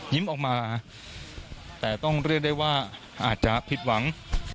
ออกมาแต่ต้องเรียกได้ว่าอาจจะผิดหวัง